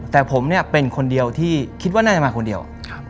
แต่ผมเนี่ยเป็นคนเดียวที่คิดว่าน่าจะมาคนเดียว